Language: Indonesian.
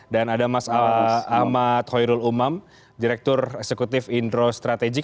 dan ada mas ahmad khoyrul umam direktur eksekutif indro strategik